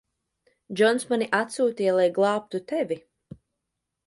Džons mani atsūtīja, lai glābtu tevi.